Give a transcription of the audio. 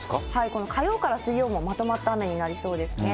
この火曜から水曜もまとまった雨になりそうですね。